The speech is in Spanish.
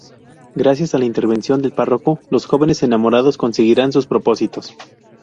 Gracias a la intervención del párroco, los jóvenes enamorados conseguirán sus propósitos.